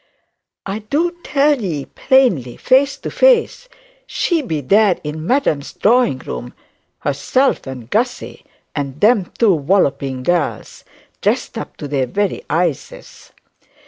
'I do tell 'ee plainly, face to face she be there in madam's drawing room; herself and Gussy, and them two walloping gals, dressed up to their very eyeses.'